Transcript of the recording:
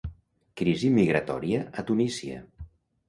Crisi migratòria a Tunísia